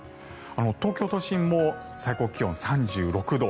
東京都心も最高気温３６度。